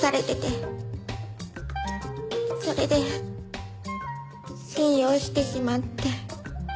それで信用してしまって。